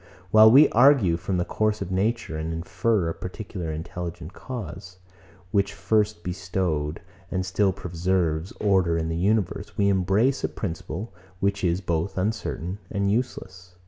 While we argue from the course of nature, and infer a particular intelligent cause, which first bestowed, and still preserves order in the universe, we embrace a principle, which is both uncertain and useless.